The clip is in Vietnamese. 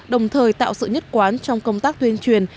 đồng thời tạo sự nhất quán trong công tác tuyên truyền